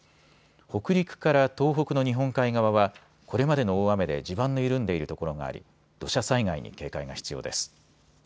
北陸から東北の日本海側はこれまでの大雨で地盤の緩んでいるところがあり土砂災害に警戒が必要です。